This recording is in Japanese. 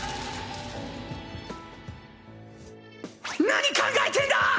何考えてんだ！